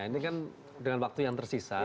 ini kan dengan waktu yang tersisa